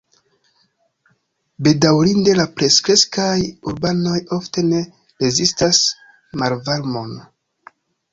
Bedaŭrinde la plenkreskaj urbanoj ofte ne rezistas malvarmon.